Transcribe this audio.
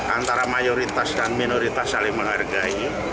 antara mayoritas dan minoritas saling menghargai